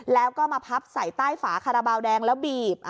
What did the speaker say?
แล้วก็มาพับใส่ใต้ฝาคาราบาลแดงแล้วบีบ